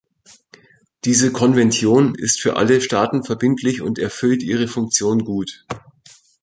Diese Konvention ist für alle Staaten verbindlich und erfüllt ihre Funktion gut.